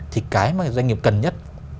thì cái mà doanh nghiệp cần nhất